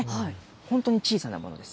本当に小さなものです。